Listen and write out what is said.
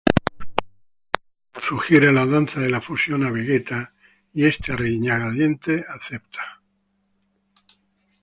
Goku sugiere la Danza de la Fusión a Vegeta y este a regañadientes acepta.